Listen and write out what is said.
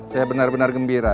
saya benar benar gembira